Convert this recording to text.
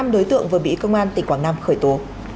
năm đối tượng vừa bị công an tỉnh quảng nam khởi tố